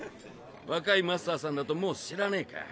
若いマスターさんだともう知らねぇか。